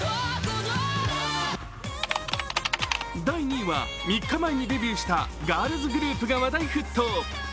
第２位は、３日前にデビューしたガールズグループが話題沸騰。